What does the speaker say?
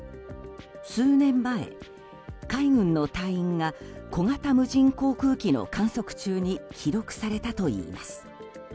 数年前、海軍の隊員が小型無人航空機の観測中に記録されたといいます。